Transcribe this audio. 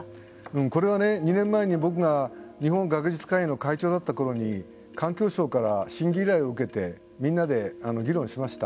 これは２年前に僕が日本学術会議の会長だったときに環境省から審議依頼を受けてみんなで議論しました。